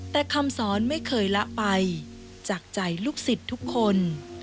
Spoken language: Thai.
แต่คำสอนไม่เคยละไปจากใจลูกศิษย์ทุกคน